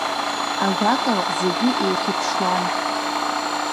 Ажәакала зегьы еихьыԥшуан.